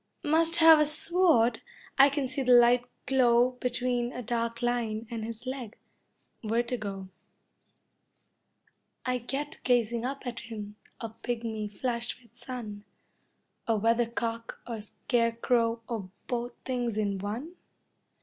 Must have a sword, I can see the light glow Between a dark line and his leg. Vertigo I get gazing up at him, a pygmy flashed with sun. A weathercock or scarecrow or both things in one?